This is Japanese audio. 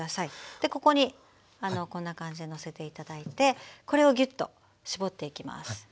でここにこんな感じでのせて頂いてこれをぎゅっと絞っていきます。